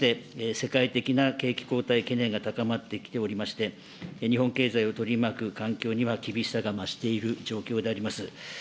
それに加えまして、世界的な景気後退懸念が高まってきておりまして、日本経済を取り巻く環境には厳しさが増している状況であります。